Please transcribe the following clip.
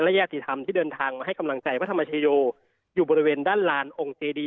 และญาติธรรมที่เดินทางมาให้กำลังใจพระธรรมชโยอยู่บริเวณด้านลานองค์เจดี